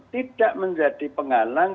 tidak menjadi penghalang